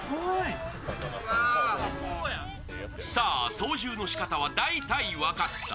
操縦のしかたは大体分かった。